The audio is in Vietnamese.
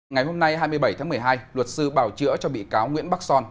ngày hôm nay hai mươi bảy tháng một mươi hai luật sư bảo chữa cho bị cáo nguyễn bắc son